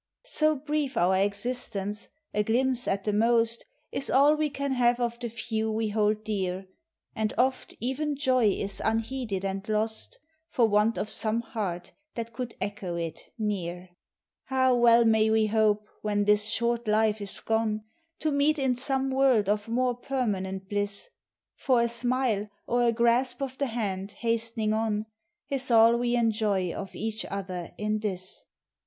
So brief our existence, a glimpse, at the most, Is all we can have of the few we hold dear; Digitized by Google 3C8 POEMS OF FRIEXD&HIP. And oft even joy is unheeded and lost For w ant of some heart that could echo it, near. Ah, well may we hope, when this short life is gone, To meet in some world of more permanent bliss; For a smile, or a grasp of the hand, hast'ning on, Is all we enjoy of each other in this.